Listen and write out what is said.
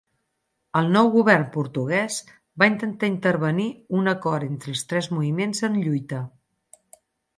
El nou govern portuguès va intentar intervenir un acord entre els tres moviments en lluita.